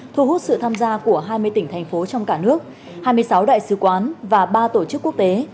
thu hút sự tham gia của hai mươi tỉnh thành phố trong cả nước hai mươi sáu đại sứ quán và ba tổ chức quốc tế